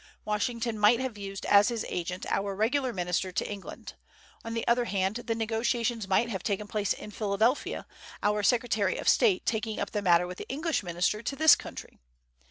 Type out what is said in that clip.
Washington might have used as his agent our regular minister to England. On the other hand, the negotiations might have taken place in Philadelphia, our Secretary of State taking up the matter with the English minister to this country.